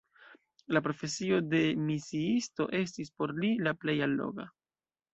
La profesio de misiisto estis por li la plej alloga.